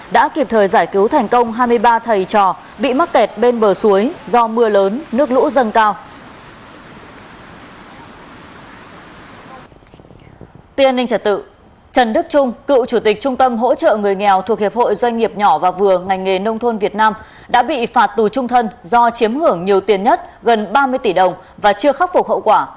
đã bị phạt tù trung thân do chiếm hưởng nhiều tiền nhất gần ba mươi tỷ đồng và chưa khắc phục hậu quả